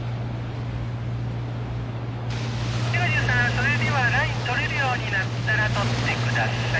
「それではライン取れるようになったら取って下さい」。